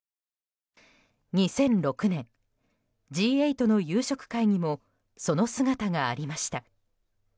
２００６年、Ｇ８の夕食会にもその姿がありました。